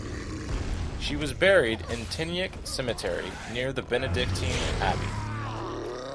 She was buried in Tyniec Cemetery near the Benedictine Abbey.